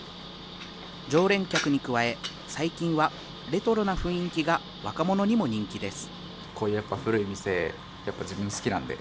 常連客に加え、最近はレトロな雰囲気が若者にも人気です。